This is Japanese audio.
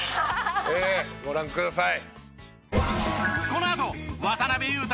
ええご覧ください。